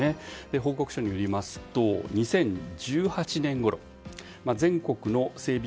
報告書によりますと２０１８年ごろ全国の整備